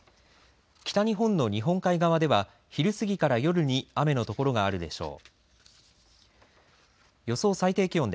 北日本の日本海側では昼過ぎから夜に雨の所があるでしょう。